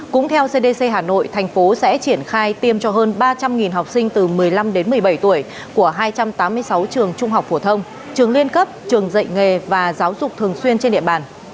cũng theo cdc hà nội thành phố sẽ triển khai tiêm cho hơn ba trăm linh học sinh từ một mươi năm đến một mươi bảy tuổi của hai trăm tám mươi sáu trường trung học phổ thông trường liên cấp trường dạy nghề và giáo dục thường xuyên trên địa bàn